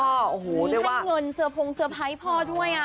มีให้เงินสะพงสะพ้ายพ่อด้วยอ่ะ